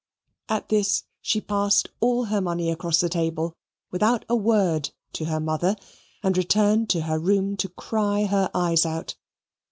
At this she passed all her money across the table, without a word, to her mother, and returned to her room to cry her eyes out.